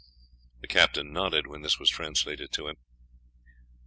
The captain nodded when this was translated to him.